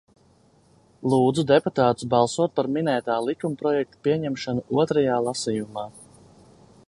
Lūdzu deputātus balsot par minētā likumprojekta pieņemšanu otrajā lasījumā!